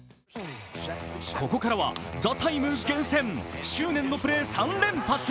ここからは「ＴＨＥＴＩＭＥ，」厳選、執念のプレー３連発。